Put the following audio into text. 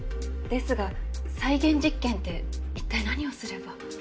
ですが再現実験って一体何をすれば？